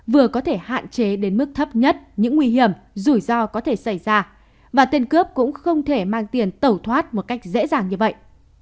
vừa có thể hạn chế đến mức thấp nhất những nguy hiểm rủi ro có thể xảy ra và tên cướp cũng không thể mang tiền tẩu thoát một cách dễ dàng như vậy